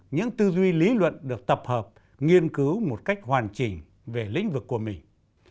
những tư duy lý luận được tập hợp nghiên cứu một cách hoàn chỉnh về lĩnh vực của mình